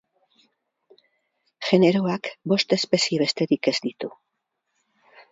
Generoak bost espezie besterik ez ditu.